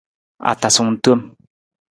Atasung tom.